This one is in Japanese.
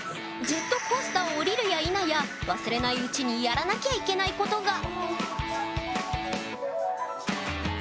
ジェットコースターを降りるやいなや忘れないうちにやらなきゃいけないことが！